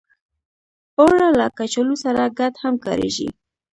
اوړه له کچالو سره ګډ هم کارېږي